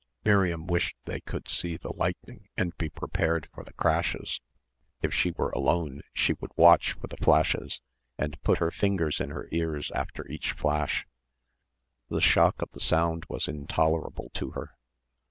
Miriam wished they could see the lightning and be prepared for the crashes. If she were alone she would watch for the flashes and put her fingers in her ears after each flash. The shock of the sound was intolerable to her.